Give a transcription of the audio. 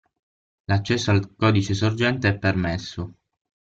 L'accesso al codice sorgente è permesso.